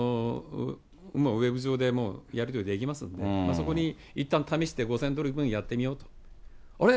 ウェブ上でやり取りできますんで、そこにいったん試して、５０００ドルやってみようと、あれ？